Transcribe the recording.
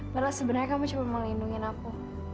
padahal sebenarnya kamu cuma mau lindungi aku